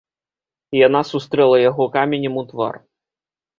Яна сустрэла яго каменем у твар.